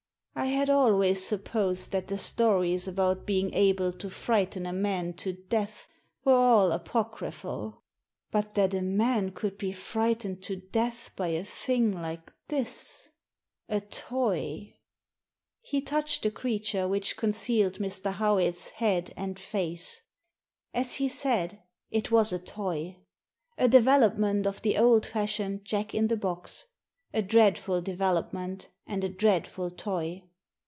I had always supposed that the stories about being able to frighten a man to death were all apocryphal. But that a man could be frightened to death by a thing like this — a toy !" He touched the creature which concealed Mr. Howitt's head and face. As he said, it was a toy. A development of the old fashioned jack in the box. A dreadful development, and a dreadful toy.